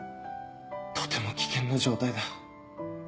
とても危険な状態だ。